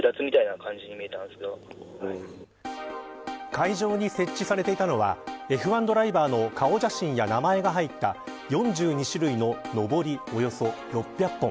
会場に設置されていたのはＦ１ドライバーの顔写真や名前が入った４２種類の、のぼりおよそ６００本。